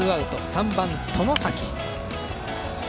３番、外崎。